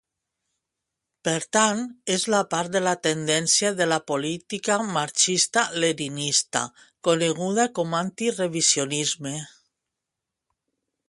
Per tant, és part de la tendència de la política marxista-leninista coneguda com a antirrevisionisme.